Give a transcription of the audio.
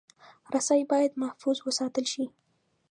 رسۍ باید محفوظ وساتل شي.